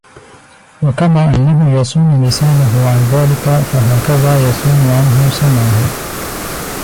وَكَمَا أَنَّهُ يَصُونُ لِسَانَهُ عَنْ ذَلِكَ فَهَكَذَا يَصُونُ عَنْهُ سَمْعَهُ